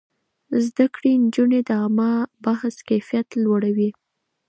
زده کړې نجونې د عامه بحث کيفيت لوړوي.